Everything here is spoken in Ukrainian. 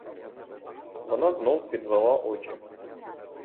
Вона знов підвела очі.